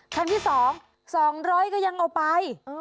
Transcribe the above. ครั้งที่๒๒๐๐ก็ยังเอาไป